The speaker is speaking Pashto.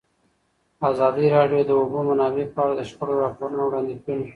ازادي راډیو د د اوبو منابع په اړه د شخړو راپورونه وړاندې کړي.